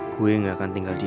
gue ga akan tinggal diem